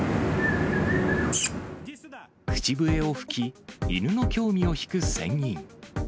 口笛を吹き、犬の興味を引く船員。